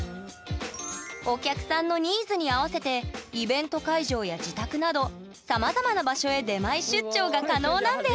お客さんのニーズに合わせてイベント会場や自宅などさまざまな場所へ出前出張が可能なんです！